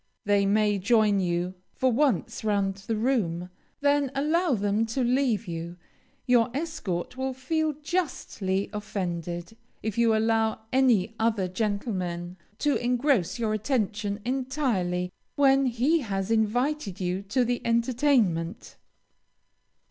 They may join you for once round the room, then allow them to leave you. Your escort will feel justly offended if you allow any other gentlemen to engross your attention entirely when he has invited you to the entertainment.